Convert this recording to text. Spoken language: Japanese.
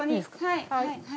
はい。